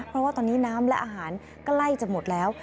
เพราะว่าตอนนี้น้ำและอาหารใกล้จะหมดแล้ว